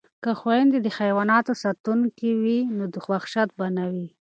که خویندې د حیواناتو ساتونکې وي نو وحشت به نه وي.